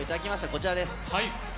こちらです。